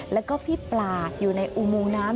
แล้วก็พี่ปลาอยู่ในอุโมงน้ำ